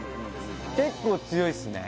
結構強いっすね